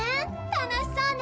楽しそうね。